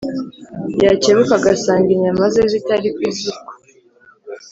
yakebuka agasanga inyama ze zitari ku ziko.